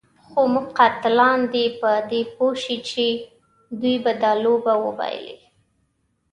خو زموږ قاتلان دې په دې پوه شي چې دوی به دا لوبه وبایلي.